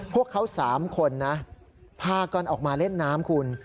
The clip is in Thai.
พวกเขา๓คนนะพากันออกมาเล่นน้ำคุณ